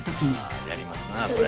あやりますなあこれ。